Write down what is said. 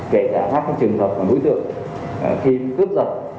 kể cả các trường hợp và đối tượng khi cướp dịch